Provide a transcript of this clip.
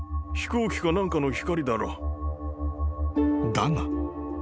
［だが］